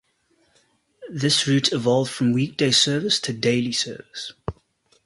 This route evolved from weekday service to daily service.